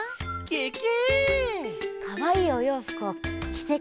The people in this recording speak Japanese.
ケケ！